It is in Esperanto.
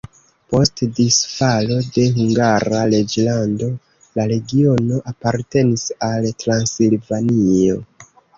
Post disfalo de Hungara reĝlando la regiono apartenis al Transilvanio.